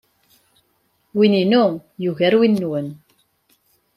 Win-inu yugar win-nwen.